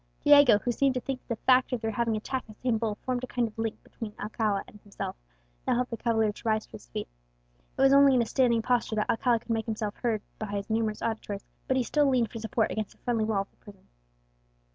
Diego, who seemed to think that the fact of their having attacked the same bull formed a kind of link between himself and Alcala, now helped the cavalier to rise to his feet. It was only in a standing posture that Aguilera could make himself heard by his numerous auditors, but he still leaned for support against the friendly wall of the prison.